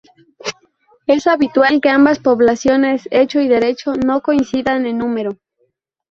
Es habitual que ambas poblaciones -hecho y derecho- no coincidan en número.